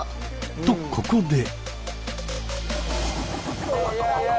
とここで。